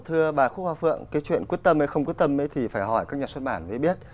thưa bà khúc hoa phượng cái chuyện quyết tâm hay không quyết tâm thì phải hỏi các nhà xuất bản mới biết